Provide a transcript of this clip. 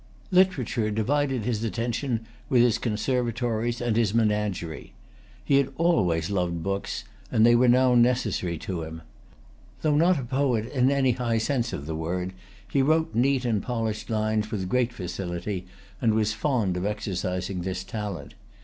Literature divided his attention with his conservatories and his menagerie. He had aways loved books, and they[Pg 239] were now necessary to him. Though not a poet, in any high sense of the word, he wrote neat and polished lines with great facility, and was fond of exercising this talent.